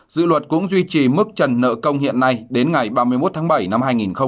dự luật cũng duy trì mức trần nợ công hiện nay đến ngày ba mươi một tháng bảy năm hai nghìn hai mươi